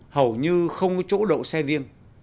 hầu như không có chỗ đậu xe riêng